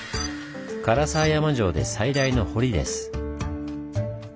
唐沢山城で最大の堀です。